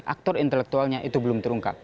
aktor intelektualnya itu belum terungkap